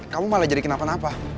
kamu malah jadi kenapa napa